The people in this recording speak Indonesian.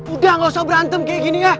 udah gak usah berantem kayak gini ya